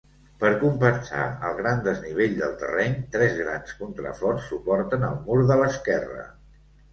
Per compensar el gran desnivell del terreny, tres grans contraforts suporten el mur de l'esquerra.